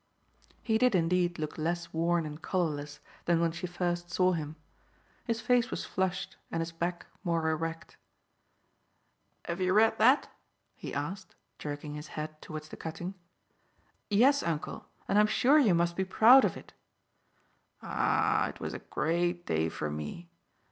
He did indeed look less worn and colourless than when she first saw him. His face was flushed and his back more erect. "Have you read that?" he asked, jerking his head towards the cutting. "Yes, uncle, and I'm sure you must be proud of it." "Ah, it was a great day for me!